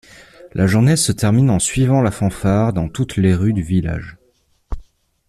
La journée se termine en suivant la fanfare dans toutes les rues du village.